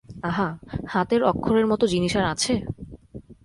আহা, হাতের অক্ষরের মতো জিনিস আর আছে?